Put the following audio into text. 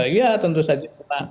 iya tentu saja